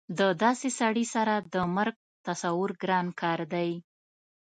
د داسې سړي سره د مرګ تصور ګران کار دی